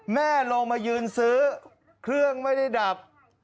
แม่ลงมายืนซื้อเครื่องไม่ได้ดับ